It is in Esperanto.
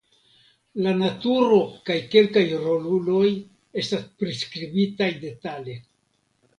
La naturo kaj kelkaj roluloj estas priskribitaj detale.